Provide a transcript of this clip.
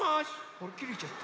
あっきれちゃった。